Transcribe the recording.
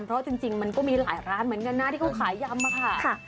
เพราะว่าจริงมันก็มีหลายร้านเหมือนกันน่ะคลุคายำค่ะ